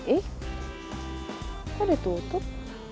ih kok ditutup